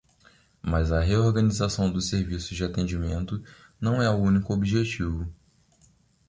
Mas a reorganização dos serviços de atendimento não é o único objetivo.